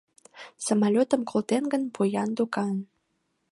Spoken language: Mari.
Самолётым колтен гын, поян докан.